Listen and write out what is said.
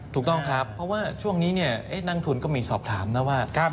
ถูกต้องครับเพราะว่าช่วงนี้นั่งทุนก็มีสอบถามนะว่า